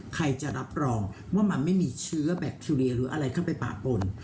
ใครจะรับรองว่ามันไม่มีเชื้อแบคทีเรียหรืออะไรเข้าไปปะปน